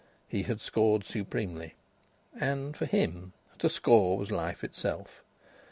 He had scored supremely and, for him, to score was life itself.